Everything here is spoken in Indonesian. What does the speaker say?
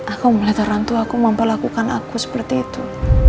aku melihat orang tua aku memperlakukan aku seperti itu